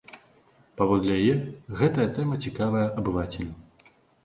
Паводле яе, гэтая тэма цікавая абывацелю.